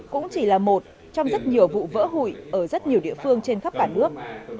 cũng chỉ là một trong rất nhiều vụ vỡ hụi ở rất nhiều địa phương trên khắp cả nước